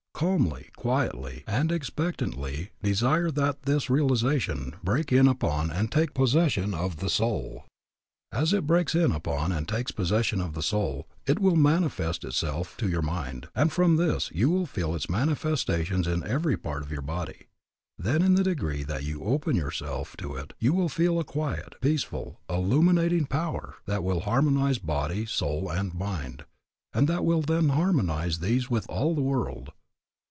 Calmly, quietly, and expectantly desire that this realization break in upon and take possession of your soul. As it breaks in upon and takes possession of the soul, it will manifest itself to your mind, and from this you will feel its manifestations in every part of your body. Then in the degree that you open yourself to it you will feel a quiet, peaceful, illuminating power that will harmonize body, soul, and mind, and that will then harmonize these with all the world.